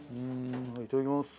いただきます。